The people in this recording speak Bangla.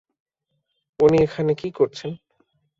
উনি এখানে কি করছেন?